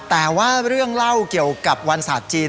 แต่ว่าเรื่องเล่าเกี่ยวกับวันศาสตร์จีน